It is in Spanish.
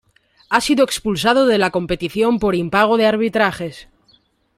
Ha sido expulsado de la competición por impago de arbitrajes.